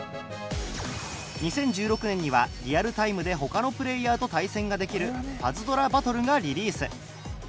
２０１６年にはリアルタイムで他のプレイヤーと対戦ができる『パズドラバトル』がリリース。